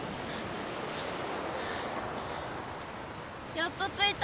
やっとついた！